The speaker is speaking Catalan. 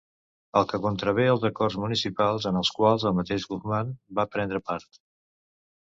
El que contravé els acords municipals en els quals el mateix Guzmán va prendre part.